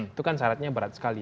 itu kan syaratnya berat sekali